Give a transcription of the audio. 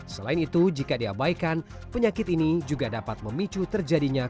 selain itu jika diabaikan penyakit ini juga dapat memicu terjadinya